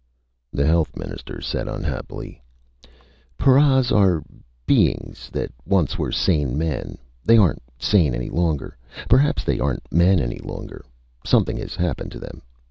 The Health Minister said unhappily: "Paras are ... beings that once were sane men. They aren't sane any longer. Perhaps they aren't men any longer. Something has happened to them.